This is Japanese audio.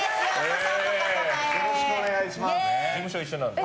よろしくお願いします。